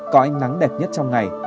có ánh nắng đẹp nhất trong ngày